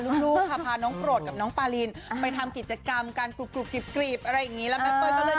มาเปยยอมตื่นแต่